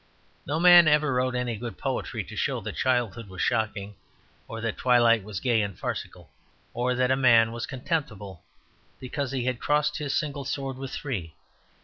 No man ever wrote any good poetry to show that childhood was shocking, or that twilight was gay and farcical, or that a man was contemptible because he had crossed his single sword with three.